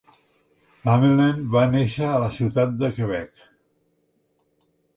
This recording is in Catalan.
Lemelin va néixer a la ciutat de Quebec.